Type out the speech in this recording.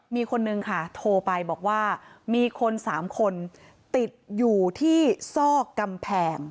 มีคนนึงค่ะโทรไปบอกว่ามีคน๓คนติดอยู่ที่ซอกกำแพง